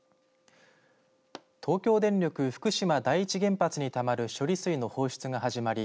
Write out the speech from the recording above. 東京電力福島第一原発にたまる処理水の放出が始まり